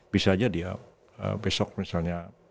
bisa aja dia besok misalnya